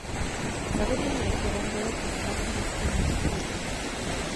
Zavedení reforem bylo pro Spartu nesporně úspěchem.